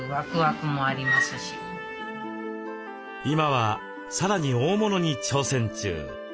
今はさらに大物に挑戦中！